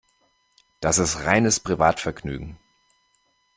Das ist reines Privatvergnügen.